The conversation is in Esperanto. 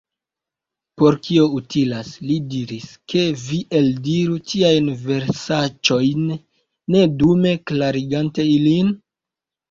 "Por kio utilas," li diris, "ke vi eldiru tiajn versaĉojn, ne dume klarigante ilin?